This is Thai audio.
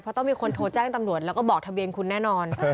เพราะต้องมีคนโทรแจ้งตำรวจแล้วก็บอกทะเบียนคุณแน่นอน